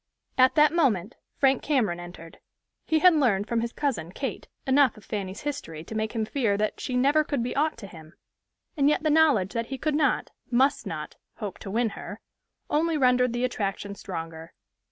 At that moment Frank Cameron entered. He had learned from his cousin, Kate, enough of Fanny's history to make him fear that she never could be aught to him; and yet the knowledge that he could not, must not, hope to win her, only rendered the attraction stronger.